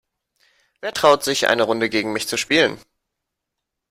Wer traut sich, eine Runde gegen mich zu spielen?